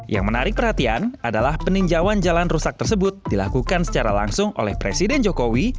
yang menarik perhatian adalah peninjauan jalan rusak tersebut dilakukan secara langsung oleh presiden jokowi